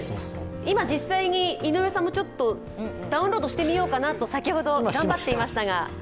実際に井上さんもちょっとダウンロードしてみようかなと先ほど頑張っていましたが。